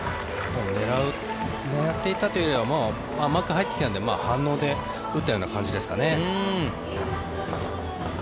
狙っていたというよりは甘く入ってきたので反応で打ったような感じですかね。